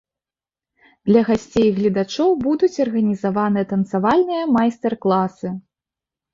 Для гасцей і гледачоў будуць арганізаваны танцавальныя майстар-класы.